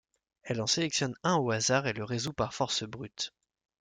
Elle en sélectionne un au hasard et le résout par force brute.